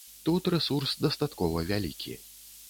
Тут рэсурс дастаткова вялікі.